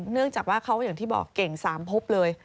เนื่องจากว่าเขาอย่างที่บอกเก่ง๓พบเลย